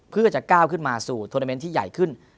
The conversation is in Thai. เพื่อจะก้าวขึ้นมาสู่โทรเมนต์ที่ใหญ่ขึ้น